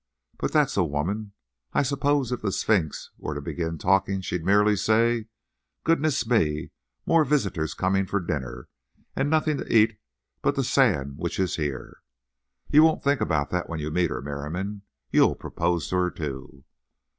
But that's a woman. I suppose if the Sphinx were to begin talking she'd merely say: 'Goodness me! more visitors coming for dinner, and nothing to eat but the sand which is here.' But you won't think about that when you meet her, Merriam. You'll propose to her too."